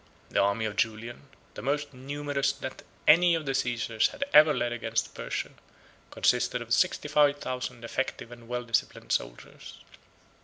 The army of Julian, the most numerous that any of the Cæsars had ever led against Persia, consisted of sixty five thousand effective and well disciplined soldiers.